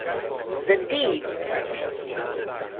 The Deep